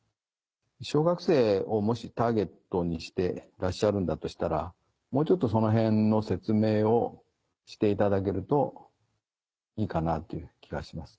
小学生をもしターゲットにしてらっしゃるんだとしたらもうちょっとそのへんの説明をしていただけるといいかなという気がします。